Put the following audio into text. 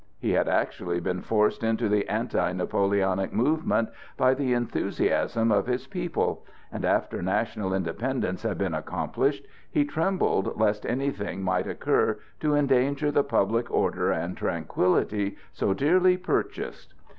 He had actually been forced into the anti Napoleonic movement by the enthusiasm of his people, and after national independence had been accomplished he trembled lest anything might occur to endanger the public order and tranquillity so dearly purchased.